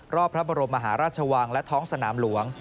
รอบพระบรมมหาราชวังและท้องสนามหลวง